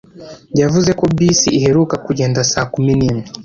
Yavuze ko bisi iheruka kugenda saa kumi nimwe